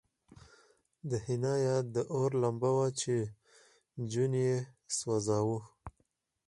د حنا یاد د اور لمبه وه چې جون یې سوځاوه